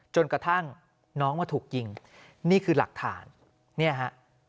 จนกระทั่งน้องมาถูกยิงนี่คือหลักฐานเนี่ยฮะ